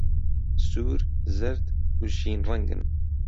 سوور، زەرد، و شین ڕەنگن.